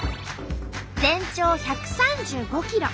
全長１３５ｋｍ。